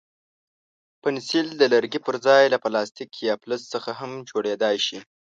پنسل د لرګي پر ځای له پلاستیک یا فلز څخه هم جوړېدای شي.